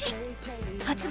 発売